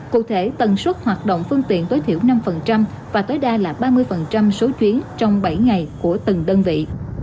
cụ thể tần suất hoạt động phương tiện tối thiểu năm và tối đa là ba mươi số chuyến trong bảy ngày của từng đơn vị